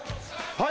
はい！